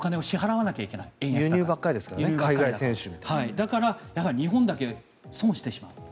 だから日本だけ損してしまう。